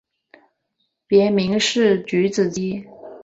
别名是菊子姬。